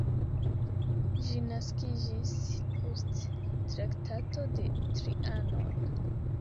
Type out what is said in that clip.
Ĝi naskiĝis post Traktato de Trianon.